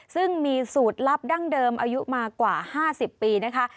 ซึ่งมีสูตรลับดั้งเดิมอายุมากว่า๕๐ปีนะคะ